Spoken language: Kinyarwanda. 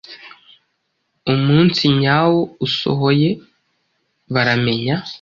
umunsi nyawo usohoye baramenya